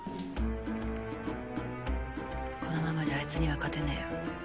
このままじゃあいつには勝てねぇよ。